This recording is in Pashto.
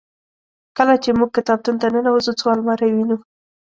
کله چې موږ کتابتون ته ننوزو څو المارۍ وینو.